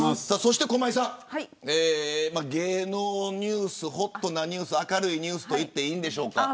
駒井さん、芸能ニュースホットなニュース明るいニュースと言っていいんでしょうかね。